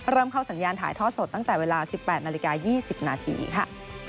เริ่มเข้าสัญญาณถ่ายทอดสดตั้งแต่เวลา๑๘นาฬิกา๒๐นาทีค่ะ